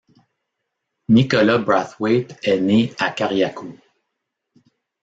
Nicholas Brathwaite est né à Carriacou.